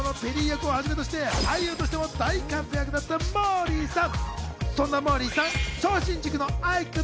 今年は大河ドラマのペリー役をはじめとして、俳優としても大活躍だったモーリーさん。